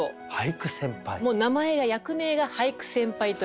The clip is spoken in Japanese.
もう名前が役名が俳句先輩といいまして。